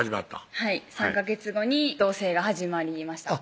はい３ヵ月後に同棲が始まりました